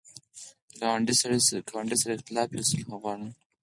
که ګاونډي سره اختلاف وي، صلح غوره ده